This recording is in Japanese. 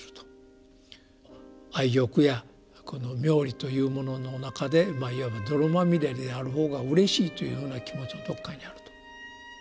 「愛欲」やこの「名利」というものの中でまあいわば泥まみれである方がうれしいというふうな気持ちがどっかにあると。